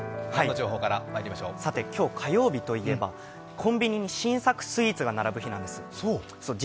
今日、火曜日といえばコンビニに新作スイーツが並ぶ日なんです。